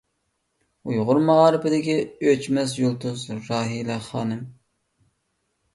ئۇيغۇر مائارىپىدىكى ئۆچمەس يۇلتۇز — راھىلە خانىم.